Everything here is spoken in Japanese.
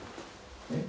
えっ？